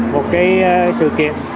một cái sự kiện